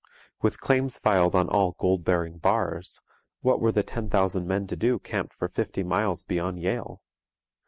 With claims filed on all gold bearing bars, what were the ten thousand men to do camped for fifty miles beyond Yale?